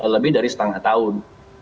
lebih dari setengah tahun